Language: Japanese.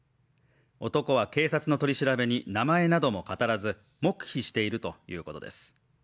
男は警察の取り調べに名前なども語らず黙秘しているということです。